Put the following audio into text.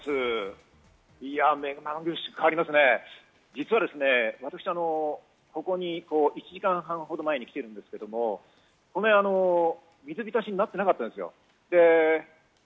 実はですね、私、ここに１時間半ほど前に来ているんですけれども、水浸しになっていなかったんですよ、この辺。